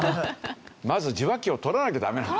まず受話器をとらなきゃダメなんです。